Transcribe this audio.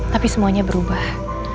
tapi semuanya berubah